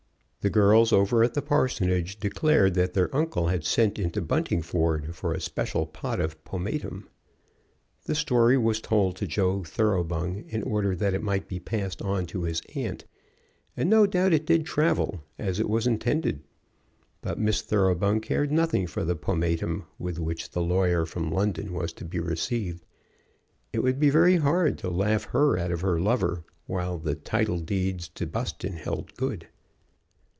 The girls over at the parsonage declared that their uncle had sent into Buntingford for a special pot of pomatum. The story was told to Joe Thoroughbung in order that it might be passed on to his aunt, and no doubt it did travel as it was intended. But Miss Thoroughbung cared nothing for the pomatum with which the lawyer from London was to be received. It would be very hard to laugh her out of her lover while the title deeds to Buston held good.